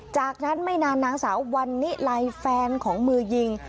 จากนั้นไม่นานนางสาววันนิลัยแฟนของมือยิง